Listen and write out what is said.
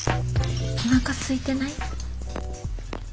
おなかすいてない？